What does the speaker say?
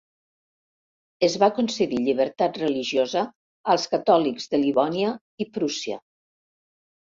Es va concedir llibertat religiosa als catòlics de Livònia i Prússia.